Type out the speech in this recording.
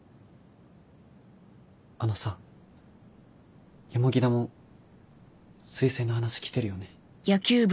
あのさ田も推薦の話来てるよね？